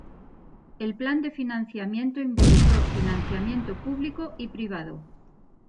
El plan de financiamiento involucró financiamiento público y privado.